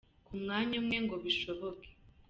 ku mwanya umwe ngo bishoboke.